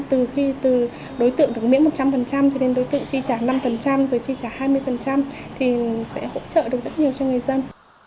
từ khi từ đối tượng được miễn một trăm linh cho đến đối tượng chi trả năm rồi chi trả hai mươi thì sẽ hỗ trợ được rất nhiều cho người dân